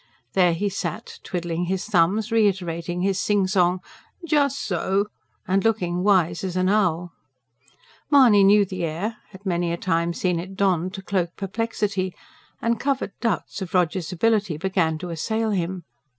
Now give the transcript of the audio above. There he sat, twiddling his thumbs, reiterating his singsong: "Just so!" and looking wise as an owl. Mahony knew the air had many a time seen it donned to cloak perplexity and covert doubts of Rogers' ability began to assail him.